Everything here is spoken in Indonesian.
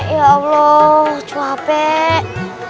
ya allah capek